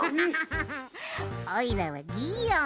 おいらはギーオン。